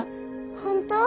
・本当？